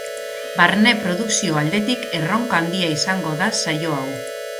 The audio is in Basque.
Barne produkzio aldetik erronka handia izango da saio hau.